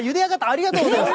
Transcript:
ありがとうございます。